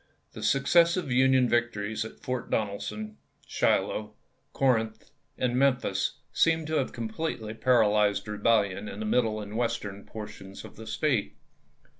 The successive Union victories at Fort Donelson, Shiloh, Corinth, and Memphis seemed to have completely paralyzed rebellion in the middle and western portions of the State.